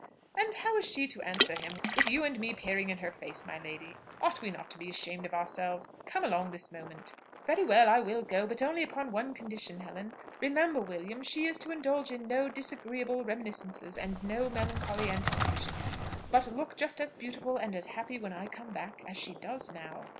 "And how is she to answer him, with you and me peering in her face, my lady? Ought we not to be ashamed of ourselves? Come along this moment." "Very well, I will go, but only upon one condition, Helen. Remember, William, she is to indulge in no disagreeable reminiscences, and no melancholy anticipations, but look just as beautiful and as happy when I come back, as she does now."